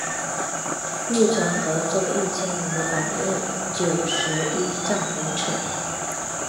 护城河周一千五百九十一丈五尺。